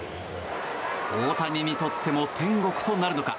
大谷にとっても天国となるのか？